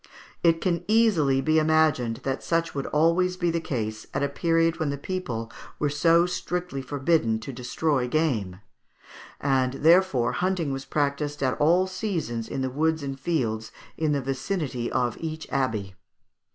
It can easily be imagined that such would always be the case at a period when the people were so strictly forbidden to destroy game; and therefore hunting was practised at all seasons in the woods and fields in the vicinity of each abbey.